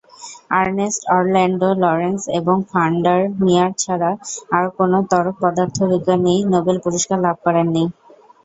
Ernst Orlando Lawrence এবং van der Meer ছাড়া আর কোন ত্বরক পদার্থবিজ্ঞানী নোবেল পুরস্কার লাভ করেন নি।